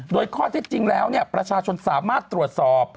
โดยข้อเท็จจริงแล้วประชาชนสามารถตรวจสอบ